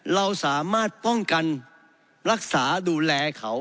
เราสามารถป้องกันรักษาดูแลเขา